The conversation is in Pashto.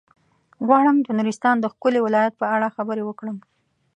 غواړم د نورستان د ښکلي ولايت په اړه خبرې وکړم.